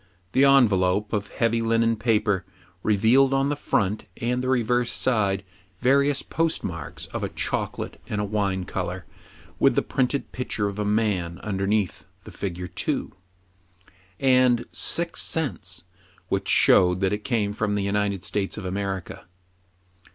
The envelope, of heavy linen paper, revealed on the front and the reverse side variou3 postmarks of a chocolate and a wine color, with the printed picture of a man under neath the figure 2, and "six cents," which showed that it came from the United States of America.